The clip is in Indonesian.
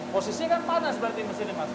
posisi kan panas berarti di sini mas